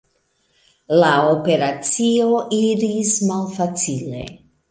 La operacio iris malfacile.